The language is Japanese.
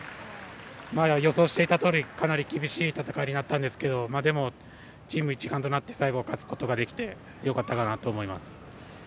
予想していたとおりかなり厳しい戦いになったんですがでもチーム、一丸となって最後、勝つことができてよかったかなと思います。